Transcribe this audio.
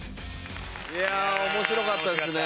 いやあ面白かったですね。